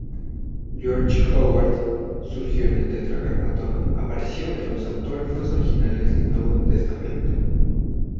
George Howard sugirió que el Tetragrámaton apareció en los autógrafos originales del Nuevo Testamento.